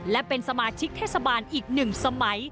และเป็นสมาชิกเทศบาลอีก๑สมัย